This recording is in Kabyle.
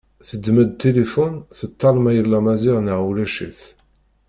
Teddem-d tilifun teṭṭal ma yella Maziɣ neɣ ulac-it.